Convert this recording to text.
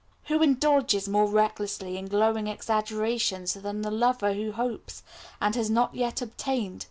Who indulges more recklessly in glowing exaggerations than the lover who hopes, and has not yet obtained?